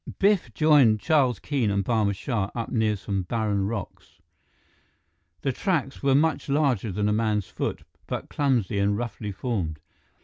Biff joined Charles Keene and Barma Shah up near some barren rocks. The tracks were much larger than a man's foot, but clumsy and roughly formed.